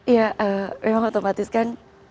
ya memang otomatis kan